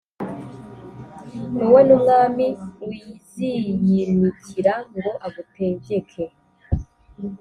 Wowe n’umwami uziyimikira ngo agutegeke,